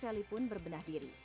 kami mencari pun berbenah diri